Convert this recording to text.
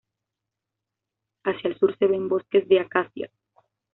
Hacia el sur se ven bosques de acacias.